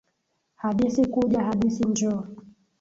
Hadithi kuja, hadithi njoo.